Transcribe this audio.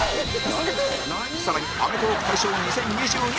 更にアメトーーク大賞２０２２